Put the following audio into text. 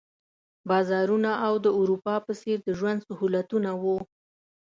بازارونه او د اروپا په څېر د ژوند سهولتونه وو.